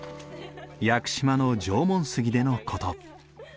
屋久島の縄文杉での事。